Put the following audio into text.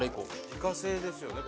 自家製ですよね